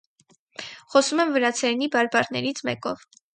Խոսում են վրացերենի բարբառներից մեկով։